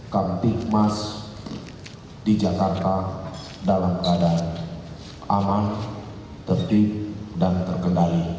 kamtipmas di jakarta dalam keadaan aman tertib dan terkendali